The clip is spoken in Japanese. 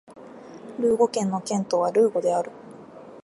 ルーゴ県の県都はルーゴである